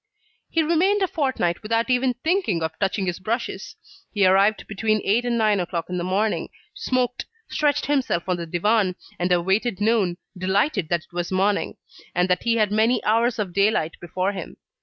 He remained a fortnight without even thinking of touching his brushes. He arrived between eight and nine o'clock in the morning, smoked, stretched himself on the divan, and awaited noon, delighted that it was morning, and that he had many hours of daylight before him.